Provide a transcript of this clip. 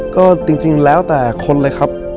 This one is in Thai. ก็จริงแล้วแต่คนเลยครับ